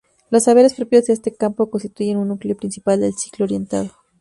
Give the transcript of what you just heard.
Los saberes propios de este Campo constituyen el núcleo principal del Ciclo Orientado.